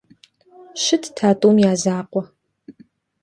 Щытт а тӀум я закъуэ.